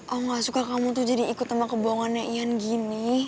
aku gak suka kamu tuh jadi ikut sama kebohongan yang ian gini